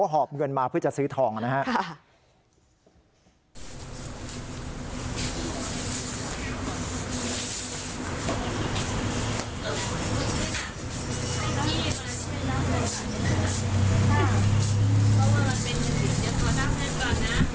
หอบเงินมาเพื่อจะซื้อทองนะครับ